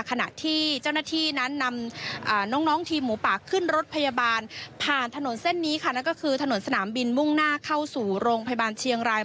ขณะที่เจ้าหน้าที่นั้นนำน้องทีมหมูปากขึ้นรถพยาบาลผ่านถนนเส้นนี้ค่ะ